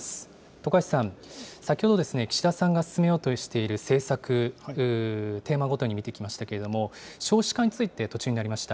徳橋さん、先ほど、岸田さんが進めようとしている政策、テーマごとに見てきましたけれども、少子化について、途中になりました。